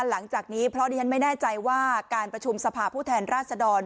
หลังจากนี้เพราะดิฉันไม่แน่ใจว่าการประชุมสภาพผู้แทนราชดร